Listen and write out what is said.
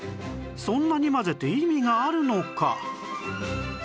そんなに混ぜて意味があるのか？